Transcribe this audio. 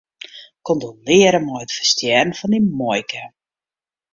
Kondolearre mei it ferstjerren fan dyn muoike.